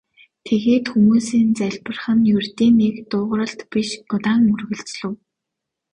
Тэгээд хүмүүсийн залбирах нь ердийн нэг дуугаралт биш удаан үргэлжлэв.